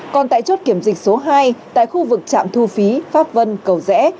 còn tại chốt kiểm dịch số hai tại khu vực trạm thu phí pháp vân cầu rẽ